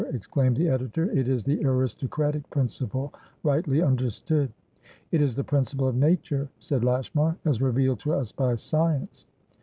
exclaimed the editor. "It is the aristocratic principle rightly understood." "It is the principle of nature," said Lashmar, "as revealed to us by science.